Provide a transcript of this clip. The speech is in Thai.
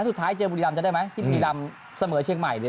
สุดท้ายเจอบริรำจริงได้ไหมที่บริรำเสมอเชียงใหม่